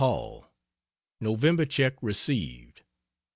HALL, November check received.